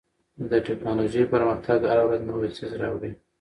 د ټکنالوژۍ پرمختګ هره ورځ نوی څیز راوړي.